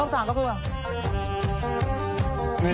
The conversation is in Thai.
รอบ๓ต้องเต้นเต้นเต้น